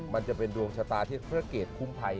มันจะเป็นดวงชะตาที่พระเกตคุ้มภัย